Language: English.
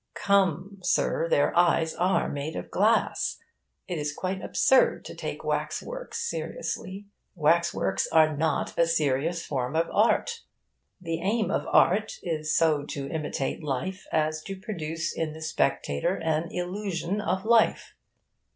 Come, sir, their eyes are made of glass. It is quite absurd to take wax works seriously. Wax works are not a serious form of art. The aim of art is so to imitate life as to produce in the spectator an illusion of life.